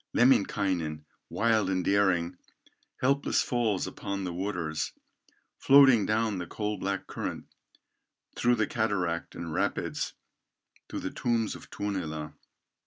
Lemminkainen, wild and daring, Helpless falls upon the waters, Floating down the coal black current, Through the cataract and rapids To the tombs of Tuonela.